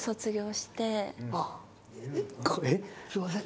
すいません